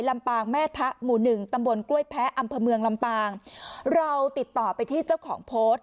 ลำปางแม่ทะหมู่๑ตำบลกล้วยแพ้อำเภอเรตต่อไปที่เจ้าของโพส